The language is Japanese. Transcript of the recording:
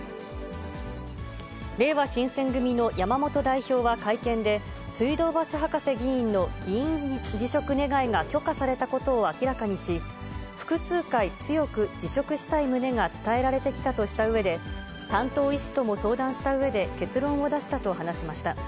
れいわ新選組の山本代表は会見で、水道橋博士議員の議員辞職願が許可されたことを明らかにし、複数回、強く辞職したい旨が伝えられてきたとしたうえで、担当医師とも相談したうえで結論を出したと話しました。